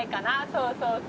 そうそうそう。